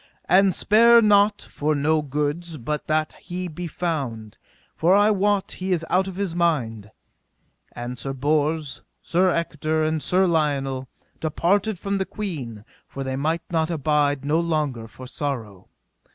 And spare not for no goods but that he be found, for I wot he is out of his mind. And Sir Bors, Sir Ector, and Sir Lionel departed from the queen, for they might not abide no longer for sorrow.